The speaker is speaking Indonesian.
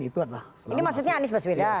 ini maksudnya anies baswedar